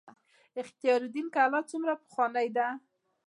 اختیار الدین کلا څومره پخوانۍ ده؟